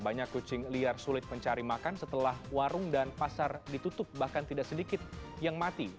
banyak kucing liar sulit mencari makan setelah warung dan pasar ditutup bahkan tidak sedikit yang mati